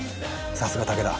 さすが武田。